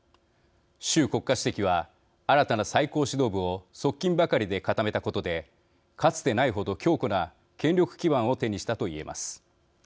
習国家主席は新たな最高指導部を側近ばかりで固めたことでかつてないほど強固な権力基盤を手にしたといえます。